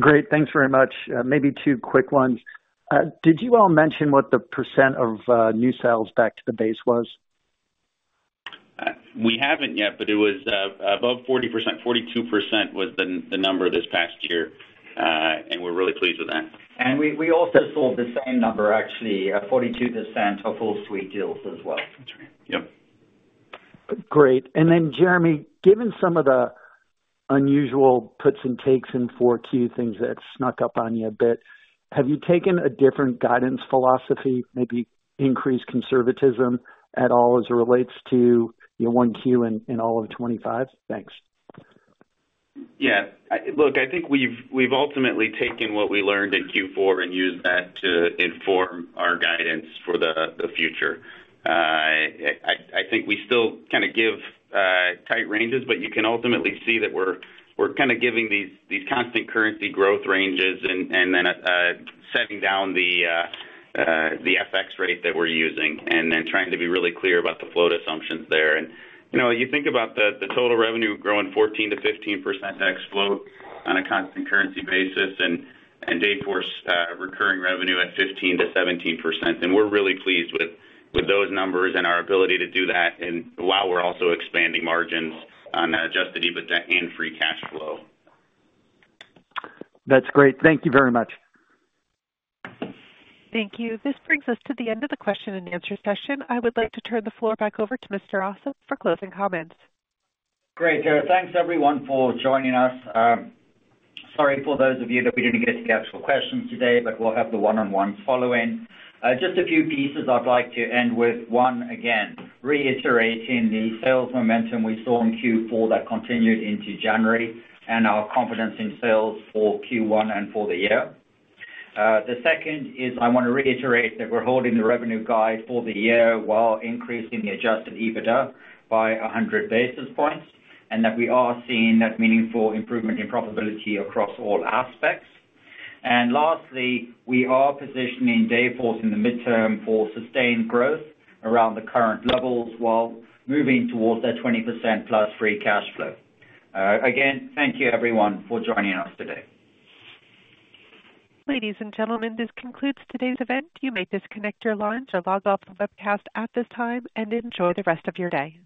Great. Thanks very much. Maybe two quick ones. Did you all mention what the percent of new sales back to the base was? We haven't yet, but it was above 40%. 42% was the number this past year, and we're really pleased with that. And we also saw the same number, actually, 42% of full suite deals as well. Yep. Great. Then, Jeremy, given some of the unusual puts and takes in 4Q things that snuck up on you a bit, have you taken a different guidance philosophy, maybe increased conservatism at all as it relates to 1Q in all of 2025? Thanks. Yeah. Look, I think we've ultimately taken what we learned in Q4 and used that to inform our guidance for the future. I think we still kind of give tight ranges, but you can ultimately see that we're kind of giving these constant currency growth ranges and then setting down the FX rate that we're using and then trying to be really clear about the float assumptions there. And you think about the total revenue growing 14%-15% ex float on a constant currency basis and Dayforce recurring revenue at 15%-17%, then we're really pleased with those numbers and our ability to do that while we're also expanding margins on that Adjusted EBITDA and Free Cash Flow. That's great. Thank you very much. Thank you. This brings us to the end of the question and answer session. I would like to turn the floor back over to Mr. Ossip for closing comments. Great, Thanks, everyone, for joining us. Sorry for those of you that we didn't get to the actual questions today, but we'll have the one-on-one following. Just a few pieces I'd like to end with. One, again, reiterating the sales momentum we saw in Q4 that continued into January and our confidence in sales for Q1 and for the year. The second is I want to reiterate that we're holding the revenue guide for the year while increasing the Adjusted EBITDA by 100 basis points and that we are seeing that meaningful improvement in profitability across all aspects. And lastly, we are positioning Dayforce in the midterm for sustained growth around the current levels while moving towards that 20% plus Free Cash Flow. Again, thank you, everyone, for joining us today. Ladies and gentlemen, this concludes today's event. You may disconnect your lines or log off the webcast at this time and enjoy the rest of your day.